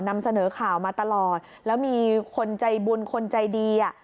นำเสนอข่าวมาตลอดแล้วมีคนใจบุญคนใจดีอ่ะ